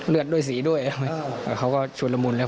เลือดด้วยสีด้วยเขาก็ชุดละมุนแล้ว